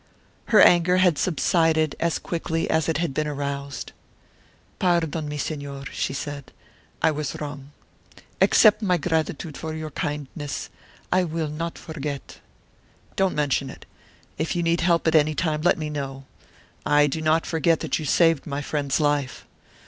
Her anger had subsided as quickly as it had been aroused. "Pardon me, Señor," she said; "I was wrong. Accept my gratitude for your kindness; I will not forget." "Don't mention it. If you need help at any time, let me know; I do not forget that you saved my friend's life.